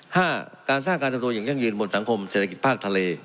ห้าการสร้างการทำตัวอย่างยั่งยืนบนสังคมเศรษฐกิจภาคทะเล